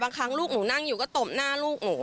ครั้งลูกหนูนั่งอยู่ก็ตบหน้าลูกหนู